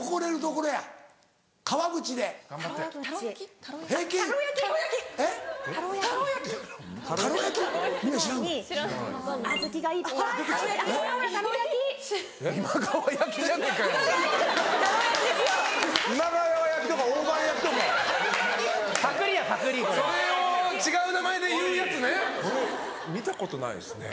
これ見たことないですね